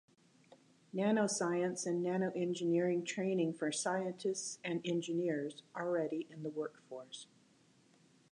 Nanoscience and Nanoengineering training for scientists and engineers already in the workforce.